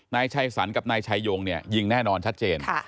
นายชัยสันสำแดงกับนายชัยยงปฐุมวันยิงแน่นอนชัดเจน